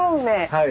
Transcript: はい。